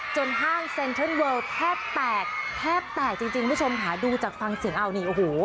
จนห้างเซ็นเทิร์นเวิร์ลแทบแตกจริงผู้ชมหาดูจากฟังเสียงเอานี่